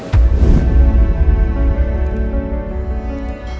aku gak mau bunuh